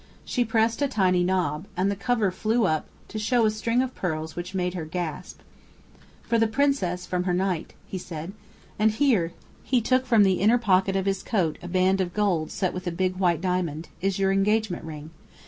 She pressed a tiny knob, and the cover flew up to show a string of pearls which made her gasp. "For the Princess, from her Knight," he said. "And here" he took from the inner pocket of his coat a band of gold set with a big white diamond "is your engagement ring.